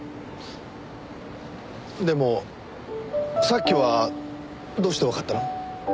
でもさっきはどうしてわかったの？